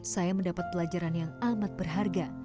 saya mendapat pelajaran yang amat berharga